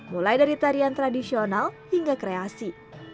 mulai dari tarian tradisional hingga kreasi